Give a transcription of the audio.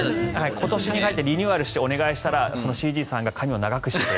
今年に入ってリニューアルをお願いしたらＣＧさんが髪を長くして。